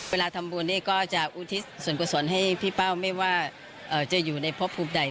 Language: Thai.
เวลาทำบุญนี่ก็จะอุทิศส่วนกุศลให้พี่เป้าไม่ว่าจะอยู่ในพบภูมิใด